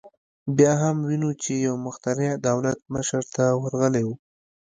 بیا هم وینو چې یو مخترع دولت مشر ته ورغلی و